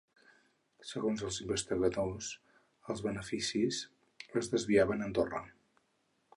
Segons els investigadors, els beneficis es desviaven a Andorra.